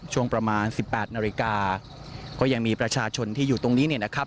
ช่วงประมาณสิบแปดนาฬิกาก็ยังมีประชาชนที่อยู่ตรงนี้เนี่ยนะครับ